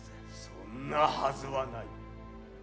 そんなはずはない。